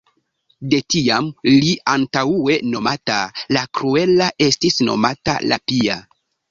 De tiam li, antaŭe nomata "la kruela", estis nomata "la pia".